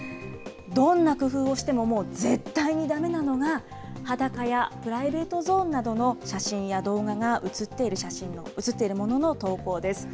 どんな工夫をしてももう絶対にだめなのが、裸やプライベートゾーンなどの写真や動画が写っている写真、写っているものの投稿です。